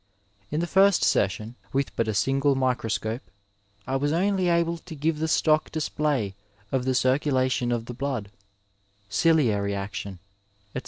Li the first session, with but a sin^e microscope, I was only able to give the stock display of the circulation of the blood, ciliary action, etc.